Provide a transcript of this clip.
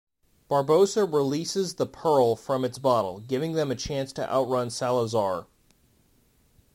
Barbossa releases the "Pearl" from its bottle, giving them a chance to outrun Salazar.